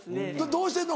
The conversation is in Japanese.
どうしてんの？